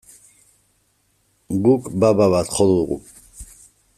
Guk baba bat jo dugu.